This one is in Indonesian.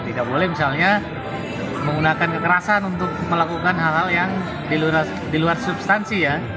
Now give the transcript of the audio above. tidak boleh misalnya menggunakan kekerasan untuk melakukan hal hal yang di luar substansi ya